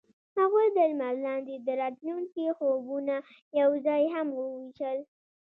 هغوی د لمر لاندې د راتلونکي خوبونه یوځای هم وویشل.